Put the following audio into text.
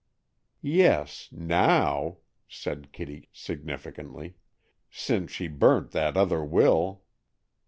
"Yes, now," said Kitty significantly, "since she burnt that other will."